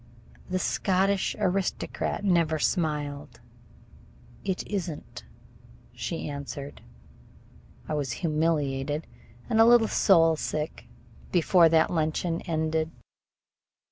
The Scotch aristocrat never smiled. "It is n't," she answered. I was humiliated and a little soul sick before that luncheon ended.